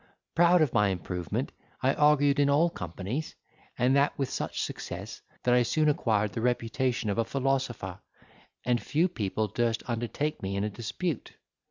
Proud of my improvement, I argued in all companies, and that with such success, that I soon acquired the reputation of a philosopher, and few people durst undertake me in a dispute.